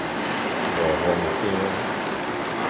五峰鄉